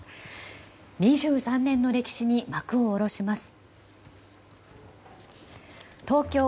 ２３年の歴史に幕を下ろします。